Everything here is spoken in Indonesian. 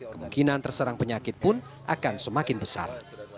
kemungkinan terserang penyakit pun akan semakin besar